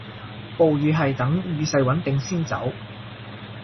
暴雨係等雨勢穩定先走